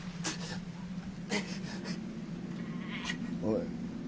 おい。